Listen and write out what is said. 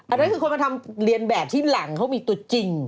อันนั้นคือคนมาทำเรียนแบบที่หลังเขามีตัวจริง